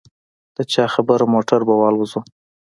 د چا خبره موټر به والوزووم.